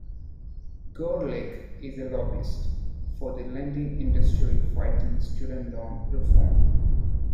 Gorelick is a lobbyist for the lending industry fighting student loan reform.